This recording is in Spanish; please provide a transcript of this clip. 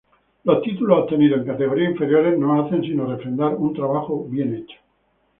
Los títulos obtenidos en categorías inferiores no hacen sino refrendar un trabajo bien hecho.